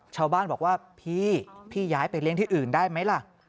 ชาวบ้านบอกว่าพี่พี่ย้ายไปเลี้ยงที่อื่นได้ไหมล่ะ